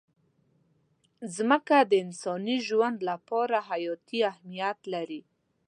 مځکه د انساني ژوند لپاره حیاتي اهمیت لري.